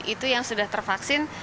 itu yang sudah tervaksin